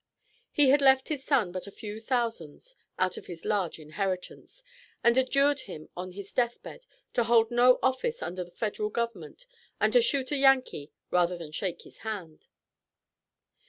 He had left his son but a few thousands out of his large inheritance, and adjured him on his death bed to hold no office under the Federal government and to shoot a Yankee rather than shake his hand.